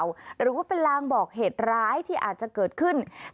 หรือว่าเป็นลางบอกเหตุร้ายที่อาจจะเกิดขึ้น